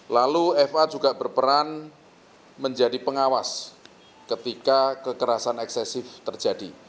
lalu fa juga berperan menjadi pengawas ketika kekerasan eksesif terjadi